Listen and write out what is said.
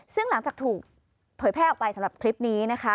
ซึ่งหลังจากถูกเผยแพร่ออกไปสำหรับคลิปนี้นะคะ